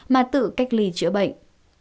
mà tự cách ly chữa bệnh